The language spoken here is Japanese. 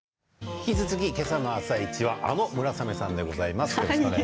引き続き今朝の「あさイチ」はあの村雨さんでございます。